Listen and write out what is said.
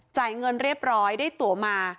จ่ายเงินเรียบร้อยได้ตัวมา